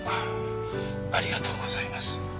ありがとうございます。